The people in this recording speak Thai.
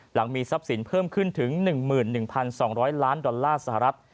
หลังมีทรัพย์สินเพิ่มขึ้นถึง๑๑๒๐๐ล้านดอลลาร์สหรัฐ